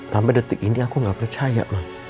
sampai detik ini aku nggak percaya